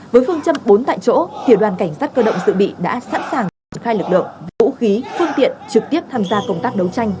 với phương châm bốn tại chỗ tiểu đoàn cảnh sát cơ động dự bị đã sẵn sàng triển khai lực lượng vũ khí phương tiện trực tiếp tham gia công tác đấu tranh